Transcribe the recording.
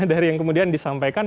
dari yang kemudian disampaikan